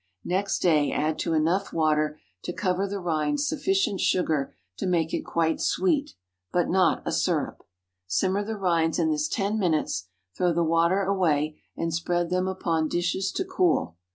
Next day add to enough water to cover the rinds sufficient sugar to make it quite sweet, but not a syrup. Simmer the rinds in this ten minutes, throw the water away, and spread them upon dishes to cool.